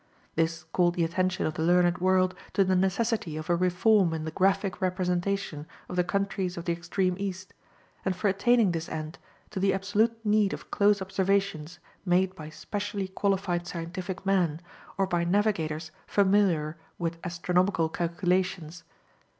This called the attention of the learned world to the necessity of a reform in the graphic representation of the countries of the extreme east, and for attaining this end, to the absolute need of close observations made by specially qualified scientific men, or by navigators familiar with astronomical calculations.